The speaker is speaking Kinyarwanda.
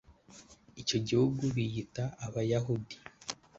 icyo gihugu biyita abayahudi